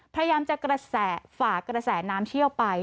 พยายามจะกระแสฝากระแสน้ำเชี่ยวไป